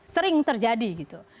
sering terjadi gitu